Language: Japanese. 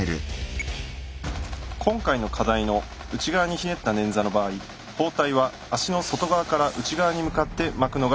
今回の課題の内側にひねった捻挫の場合包帯は足の外側から内側に向かって巻くのが鉄則なんです。